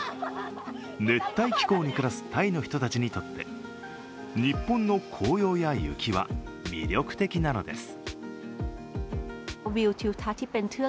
熱帯気候に暮らすタイの人たちにとって日本の紅葉や雪は魅力的なのです。